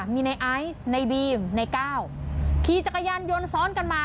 มีในไอซ์ในบีมในก้าวขี่จักรยานยนต์ซ้อนกันมา